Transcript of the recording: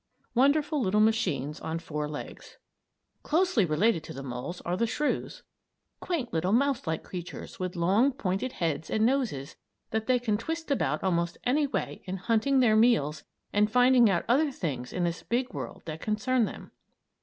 WONDERFUL LITTLE MACHINES ON FOUR LEGS Closely related to the moles are the shrews quaint little mouse like creatures with long, pointed heads and noses that they can twist about almost any way in hunting their meals and finding out other things in this big world that concern them.